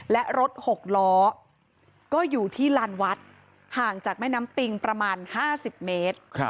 และรถ๖ล้อก็อยู่ที่ลานวัดห่างจากแม่น้ำปิงประมาณ๕๐เมตร